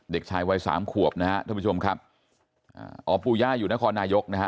เด็กชายวัยสามขวบนะฮะท่านผู้ชมครับอ่าอ๋อปู่ย่าอยู่นครนายกนะฮะ